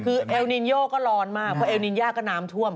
คือเอลนินโยก็ร้อนมากเพราะเอลนินยาก็น้ำท่วม